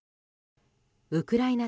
ウクライナ